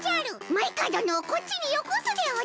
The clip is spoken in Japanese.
マイカどのをこっちによこすでおじゃる！